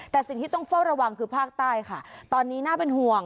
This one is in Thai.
แต่สิ่งที่ต้องเฝ้าระวังคือภาคใต้ค่ะตอนนี้น่าเป็นห่วง